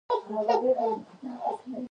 بيا يې وويل ګوره تا خو پخوا هم غوښتل.